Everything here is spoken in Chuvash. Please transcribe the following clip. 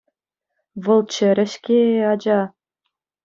Вӑл чӗрӗ-ҫке, ача.